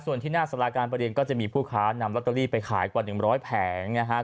ส่วนที่หน้าสาราการประเรียนก็จะมีผู้ค้านำลอตเตอรี่ไปขายกว่า๑๐๐แผงนะครับ